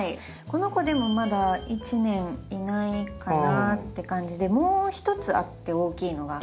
この子でもまだ１年いないかなって感じでもう１つあって大きいのが。